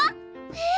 えっ？